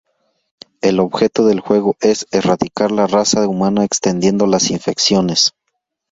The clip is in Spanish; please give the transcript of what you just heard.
El objeto del juego es erradicar la raza humana extendiendo las infecciones.